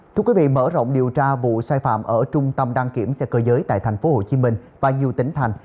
thưa quý vị mở rộng điều tra vụ sai phạm ở trung tâm đăng kiểm xe cơ giới tại tp hcm và nhiều tỉnh thành